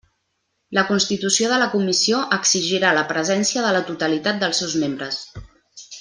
La constitució de la comissió exigirà la presència de la totalitat dels seus membres.